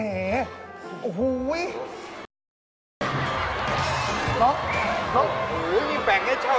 เฮ้ยลูกค้าเข้า